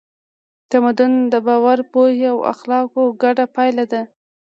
تمدن د باور، پوهې او اخلاقو ګډه پایله ده.